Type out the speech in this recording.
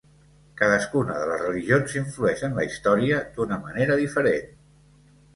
Cadascuna de les religions influeix en la història d'una manera diferent.